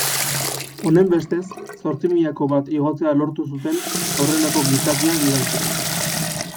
Honenbestez, zortzimilako bat igotzea lortu zuten aurreneko gizakiak izan ziren.